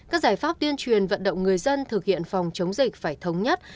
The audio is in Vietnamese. các giải pháp tuyên truyền vận động người dân thực hiện phòng chống dịch phải thống nhất